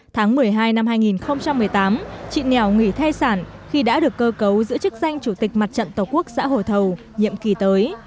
tháng một mươi hai năm hai nghìn một mươi tám chị nẻo nghỉ thai sản khi đã được cơ cấu giữ chức danh chủ tịch mặt trận tổ quốc xã hồ thầu nhiệm kỳ tới